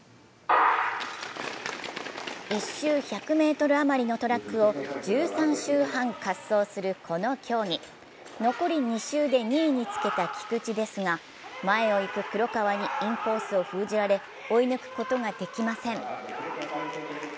１周１００ｍあまりのトラックを１３周半滑走するこの競技、残り２周で２位につけた菊池ですが、前を行く黒川にインコースを封じられ追い抜くことができません。